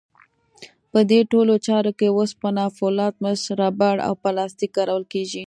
په دې ټولو چارو کې وسپنه، فولاد، مس، ربړ او پلاستیک کارول کېږي.